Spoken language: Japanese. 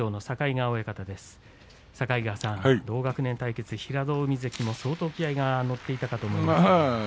境川さん、同学年対決平戸海関も相当気合いが乗っていたと思います。